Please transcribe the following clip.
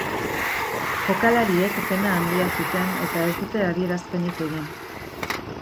Jokalariek pena handia zuten eta ez dute adierazpenik egin.